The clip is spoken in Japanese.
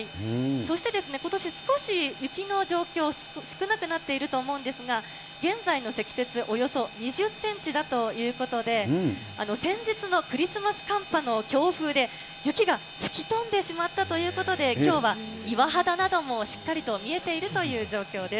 そしてですね、今年、少し雪の状況、少なくなっていると思うんですが、現在の積雪およそ２０センチだということで、先日のクリスマス寒波の強風で、雪が吹き飛んでしまったということで、きょうは岩肌などもしっかりと見えているという状況です。